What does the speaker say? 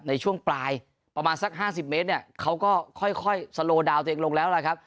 ในช่วงปลายประมาณสัก๕๐เมตรเนี่ยเขาก็ค่อยสโลดาวตัวเองลงแล้วล่ะครับ